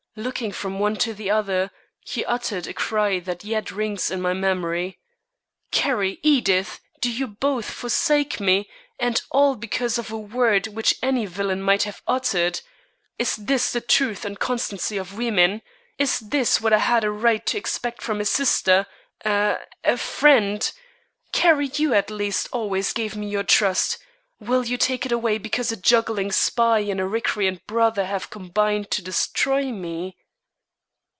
Looking from one to the other, he uttered a cry that yet rings in my memory: "Carrie! Edith! do you both forsake me, and all because of a word which any villain might have uttered? Is this the truth and constancy of women? Is this what I had a right to expect from a sister, a a friend? Carrie, you at least always gave me your trust, will you take it away because a juggling spy and a recreant brother have combined to destroy me?"